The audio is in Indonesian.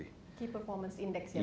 key performance index ya pak maksudnya